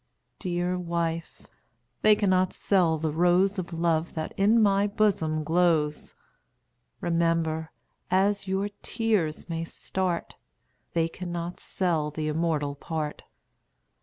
Dear wife, they cannot sell the rose Of love that in my bosom glows. Remember, as your tears may start, They cannot sell the immortal part.